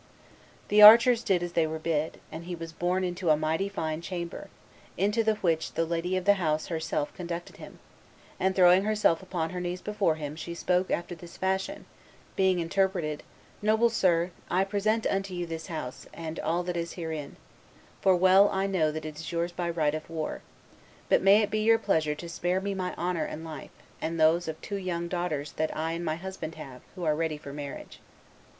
"The archers did as they were bid, and he was borne into a mighty fine chamber, into the which the lady of the house herself conducted him; and, throwing herself upon her knees before him, she spoke after this fashion, being interpreted, 'Noble sir, I present unto you this house, and all that is therein, for well I know it is yours by right of war; but may it be your pleasure to spare me my honor and life, and those of two young daughters that I and my husband have, who are ready for marriage.